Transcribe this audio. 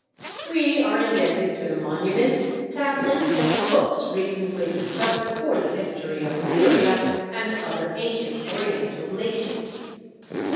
We are indebted to the monuments, tablets, and "books" recently discovered for the history of Assyria and other ancient oriental nations.